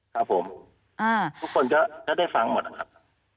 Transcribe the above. ครับผมทุกคนก็ได้ฟังหมดนะครับ